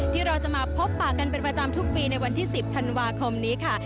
ที่เราจะมาพบปากกันเป็นประจำทุกปีในวันที่๑๐ธันวาคมนี้ค่ะ